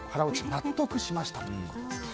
納得しましたということです。